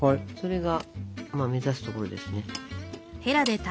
それが目指すところですね。